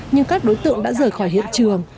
nhưng các đối tượng đã rời khỏi hiện trường